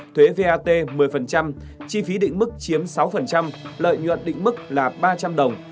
thuế vat một mươi chi phí định mức chiếm sáu lợi nhuận định mức là ba trăm linh đồng